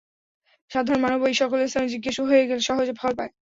সাধারণ মানব ঐ-সকল স্থানে জিজ্ঞাসু হয়ে গেলে সহজে ফল পায়।